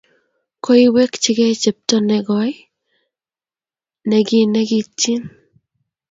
Koiwekchigey chepto negoi neginekityin.